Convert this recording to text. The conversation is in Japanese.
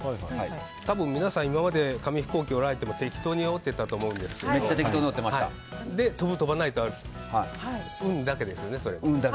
多分皆さん、今まで紙飛行機に折られる時も適当に折っていたと思うんですけどそれで飛ぶ、飛ばないっていうのは運だけですよね。